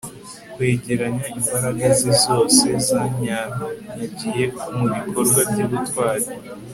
Kwegeranya imbaraga ze zose zanyanyagiye mubikorwa byubutwari